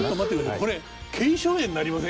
これ腱鞘炎になりません？